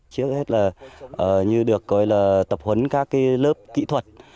trước hết là như được gọi là tập huấn các lớp kỹ thuật